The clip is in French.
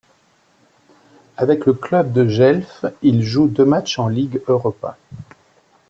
Avec le club de Gefle, il joue deux matchs en Ligue Europa.